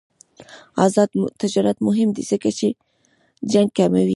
آزاد تجارت مهم دی ځکه چې جنګ کموي.